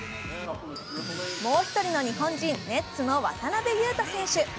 もう１人の日本人、ネッツの渡邊雄太選手。